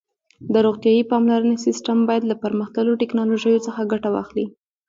د روغتیايي پاملرنې سیسټم باید له پرمختللو ټکنالوژیو څخه ګټه واخلي.